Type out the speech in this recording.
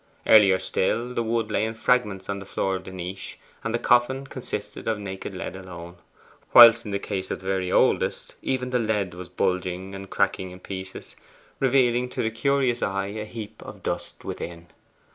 Earlier still, the wood lay in fragments on the floor of the niche, and the coffin consisted of naked lead alone; whilst in the case of the very oldest, even the lead was bulging and cracking in pieces, revealing to the curious eye a heap of dust within.